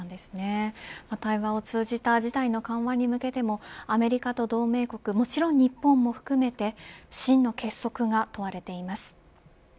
対話を通じた事態の緩和に向けてもアメリカと同盟国もちろん日本も含めて真の結束が問われています。